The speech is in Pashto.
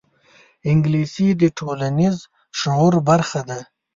انګلیسي د ټولنیز شعور برخه ده